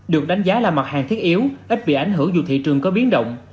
được đánh giá là mặt hàng thiết yếu ít bị ảnh hưởng dù thị trường có biến động